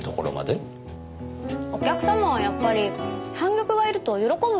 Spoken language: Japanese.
お客様はやっぱり半玉がいると喜ぶんですよ。